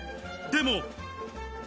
でも。